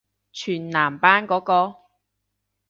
全男班嗰個？